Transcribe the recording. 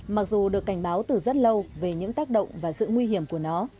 mặc dù được cảnh báo từ rất lâu về những tác động và sự nguy hiểm của nó